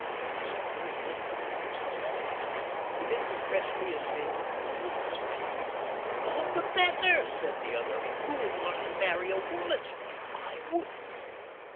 I saw very little of him, as I say. He didn't impress me as being a woman's man." "All the better," said the other. "Who would want to marry a woman's man? I wouldn't.